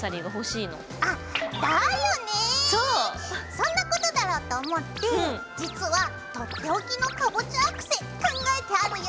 そんなことだろうと思って実はとっておきのかぼちゃアクセ考えてあるよ！